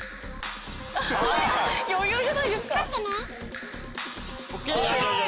余裕じゃないですか。